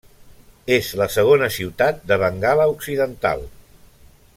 És la segona ciutat de Bengala Occidental.